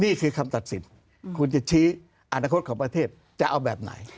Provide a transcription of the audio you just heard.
นี่คือคำตัดสินคุณจะชี้อนาคตของประเทศจะเอาแบบไหน